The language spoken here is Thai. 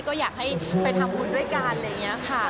ก็อยากให้ไปทำบุญด้วยกันอะไรอย่างนี้ค่ะ